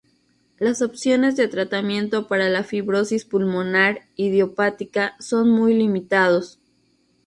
Las opciones de tratamiento para la fibrosis pulmonar idiopática son muy limitados.